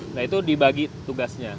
nah itu dibagi tugasnya